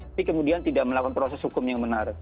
tapi kemudian tidak melakukan proses hukum yang benar